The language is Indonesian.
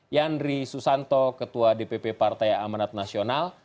yandri susanto ketua dpp partai amanat nasional